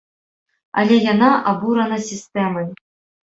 Але яна абурана сістэмай.